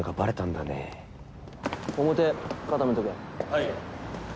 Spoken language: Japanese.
はい。